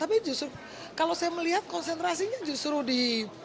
tapi justru kalau saya melihat konsentrasinya justru di